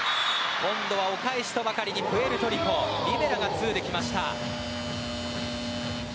お返しとばかりにプエルトリコリベラがツーできました。